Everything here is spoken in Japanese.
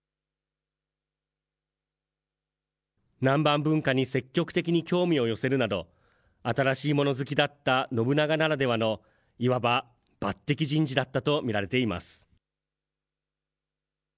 南蛮文化に積極的に興味を寄せるなど、新しいもの好きだった信長ならではの、いわば抜てき人事だったと見られています。